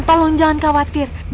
tolong jangan khawatir